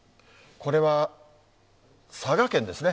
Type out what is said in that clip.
これは佐賀県ですね。